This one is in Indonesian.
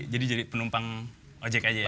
jadi jadi penumpang ojek aja ya